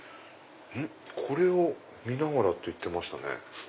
これを見ながらって言ってましたね。